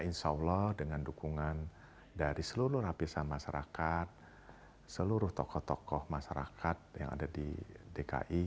insya allah dengan dukungan dari seluruh lapisan masyarakat seluruh tokoh tokoh masyarakat yang ada di dki